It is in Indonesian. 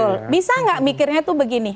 betul bisa nggak mikirnya tuh begini